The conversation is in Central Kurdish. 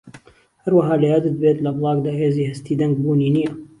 هەروەها لەیادت بێت لە بڵاگدا هێزی هەستی دەنگ بوونی نییە